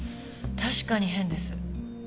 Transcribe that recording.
確かに変です。